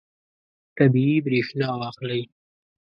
طبیعي برېښنا واخلئ.